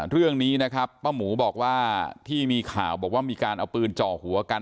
เรื่องนี้นะครับป้าหมูบอกว่าที่มีข่าวบอกว่ามีการเอาปืนจ่อหัวกัน